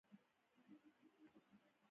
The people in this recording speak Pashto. یارانه د دوو کسانو ترمنځ اړیکه ده